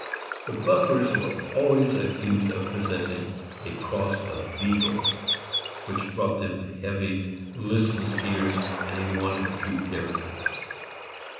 The Buffers were always accused of possessing a cross of Beagle, which brought them heavy, listless ears and a want of true character.